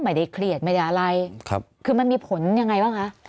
ไม่ได้เครียดไม่ได้อะไรครับคือมันมีผลยังไงบ้างคะ